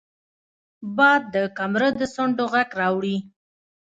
باد د کمره د څنډو غږ راوړي